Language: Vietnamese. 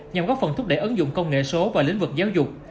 nhằm góp phần thúc đẩy ứng dụng công nghệ số và lĩnh vực giáo dục